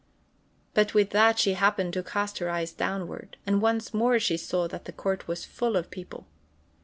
But with that she happened to cast her eyes downward, and once more she saw that the court was full of people.